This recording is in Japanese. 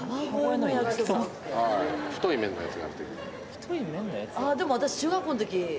太い麺のやつ？